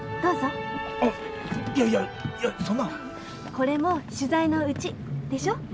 これも取材のうちでしょ？